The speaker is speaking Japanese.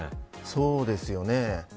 そうですよね。